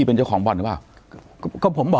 ปากกับภาคภูมิ